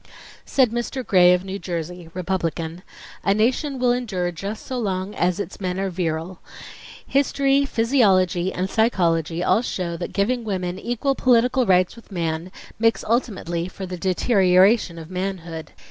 ... Said Mr. Gray of New Jersey, Republican: "A nation will endure just so long as its men are virile. History, physiology, and psychology all show that giving woman equal political rights with man makes ultimately for the deterioration of manhood.